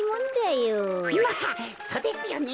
まっそうですよね。